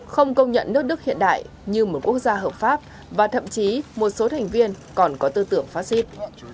không công nhận nước đức hiện đại như một quốc gia hợp pháp và thậm chí một số thành viên còn có tư tưởng phát xít